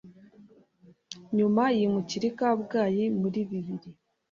Nyuma yimukira i Kabgayi muri bibiri.